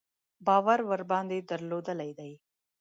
باور ورباندې درلودلی دی.